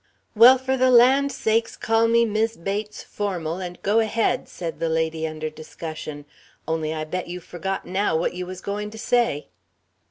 "Well, for the land sakes, call me Mis' Bates, formal, and go ahead," said the lady under discussion. "Only I bet you've forgot now what you was going to say."